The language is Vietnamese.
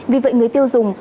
vì vậy người tiêu dùng